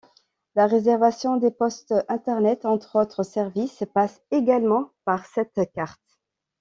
La réservation des postes Internet, entre autres services, passe également par cette carte.